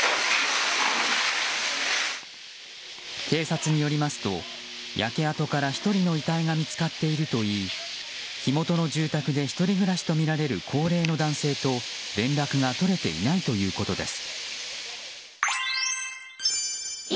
警察によりますと焼け跡から１人の遺体が見つかっているといい火元の住宅で１人暮らしとみられる高齢の男性と連絡が取れていないということです。